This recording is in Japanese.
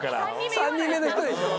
３人目の人でしょ？